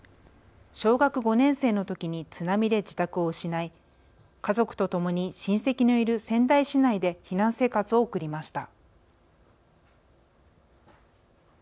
小学５年生のときに津波で自宅を失い、家族は親戚のいる仙台市内で避難生活を送りました。